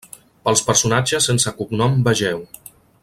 Pels personatges sense cognom vegeu: